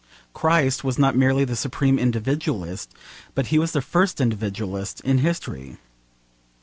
Christ was not merely the supreme individualist, but he was the first individualist in history.